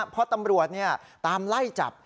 เพราะตำรวจตามไล่จับ